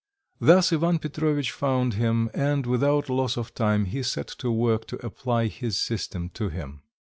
Thus Ivan Petrovitch found him, and without loss of time he set to work to apply his system to him.